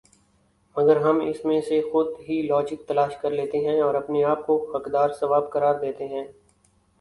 مگر ہم اس میں سے خود ہی لاجک تلاش کرلیتےہیں اور اپنے آپ کو حقدار ثواب قرار دے لیتےہیں